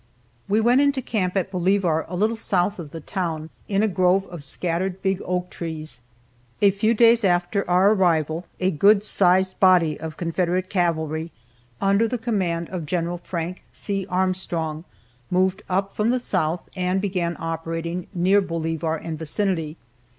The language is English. We went into camp at Bolivar a little south of the town, in a grove of scattered big oak trees. A few days after our arrival a good sized body of Confederate cavalry, under the command of Gen. Frank C. Armstrong, moved up from the south, and began operating near Bolivar and vicinity.